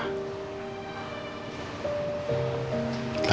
kau juga ya